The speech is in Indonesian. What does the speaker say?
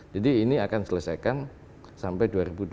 jadi ini akan selesaikan sampai dua ribu dua puluh empat dua ribu dua puluh lima